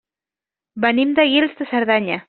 Venim de Guils de Cerdanya.